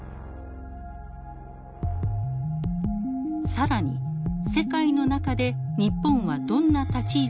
更に世界の中で日本はどんな立ち位置にあるのか。